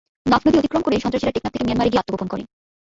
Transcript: নাফ নদী অতিক্রম করে সন্ত্রাসীরা টেকনাফ থেকে মিয়ানমারে গিয়ে আত্মগোপন করে।